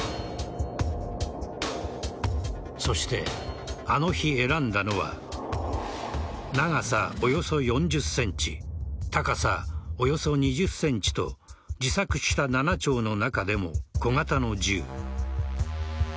そしてあの日、選んだのは長さおよそ４０ｃｍ高さおよそ２０ｃｍと自作した７丁の中でも小型の銃。